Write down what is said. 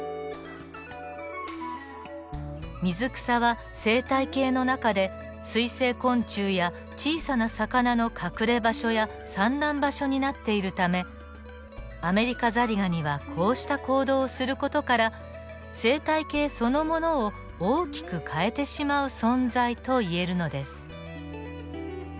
水草は生態系の中で水生昆虫や小さな魚の隠れ場所や産卵場所になっているためアメリカザリガニはこうした行動をする事から生態系そのものを大きく変えてしまう存在といえるのです。